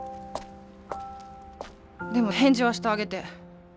でも返事はしてあげて。